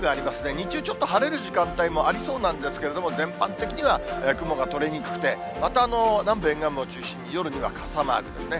日中、ちょっと晴れる時間帯もありそうなんですけれども、全般的には雲が取れにくくて、また南部、沿岸部を中心に、夜には傘マークですね。